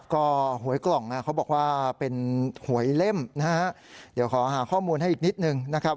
ก็หวยกล่องเขาบอกว่าเป็นหวยเล่มนะฮะเดี๋ยวขอหาข้อมูลให้อีกนิดนึงนะครับ